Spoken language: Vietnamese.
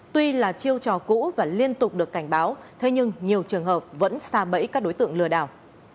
tuy là chiêu trò cũ và liên tục được cảnh báo thế nhưng nhiều trường hợp vẫn xa bẫy các đối tượng lừa đảo